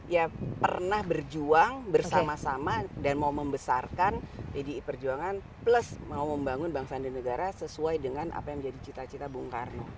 ya pernah berjuang bersama sama dan mau membesarkan pdi perjuangan plus mau membangun bangsa dan negara sesuai dengan apa yang menjadi cita cita bung karno